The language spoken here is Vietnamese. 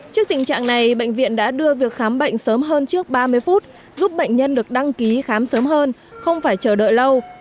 trước tình trạng này bệnh viện đã đưa việc khám bệnh sớm hơn trước ba mươi phút giúp bệnh nhân được đăng ký khám sớm hơn không phải chờ đợi lâu